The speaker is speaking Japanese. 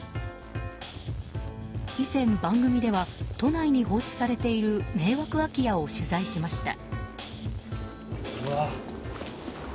以前、番組では都内に放置されている迷惑空き家を取材しました。